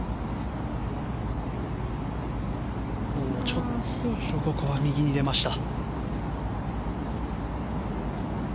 ちょっとここは右に出ました。